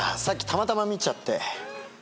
さっきたまたま見ちゃって。